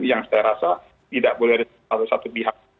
yang saya rasa tidak boleh ada satu satu pihak